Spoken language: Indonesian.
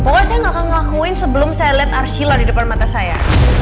pokoknya saya gak akan ngelakuin sebelum saya lihat arshila di depan mata saya